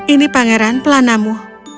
ini pangeran pelanamu